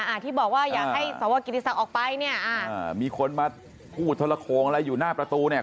อ่าที่บอกว่าอยากให้สวกิติศักดิ์ออกไปเนี่ยอ่าอ่ามีคนมาพูดทรโคงอะไรอยู่หน้าประตูเนี่ย